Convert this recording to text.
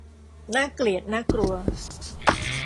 น่าเกลียดน่ากลัว